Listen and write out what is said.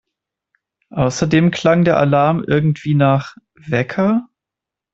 Außerdem klang der Alarm irgendwie nach … Wecker!